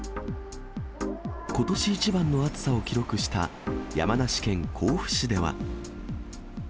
ことし一番の暑さを記録した山梨県甲府市では。